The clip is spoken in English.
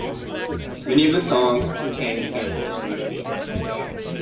Many of the songs contain samples from movies.